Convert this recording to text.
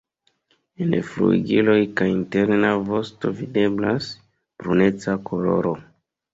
En flugiloj kaj interna vosto videblas bruneca koloro.